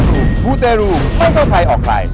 ขอบคุณพี่โจ้ด้วยครับ